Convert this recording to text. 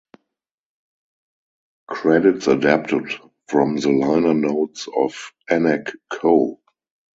Credits adapted from the liner notes of "Anak Ko".